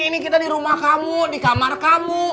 ini kita di rumah kamu di kamar kamu